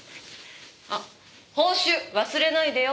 あっ報酬忘れないでよ。